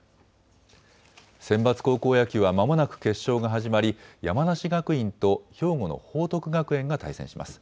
センバツ高校野球は、まもなく決勝が始まり山梨学院と兵庫の報徳学園が対戦します。